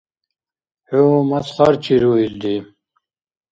ХӀу масхарачи руилри.